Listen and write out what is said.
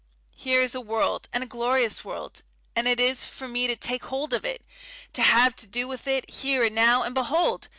Here is a world and a glorious world, and it is for me to take hold of it, to have to do with it, here and now, and behold!